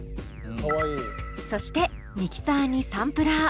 そしてミキサーにサンプラー。